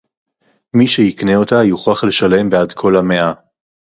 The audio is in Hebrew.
מי שיקנה אותה יוכרח לשלם בעד כל המאה.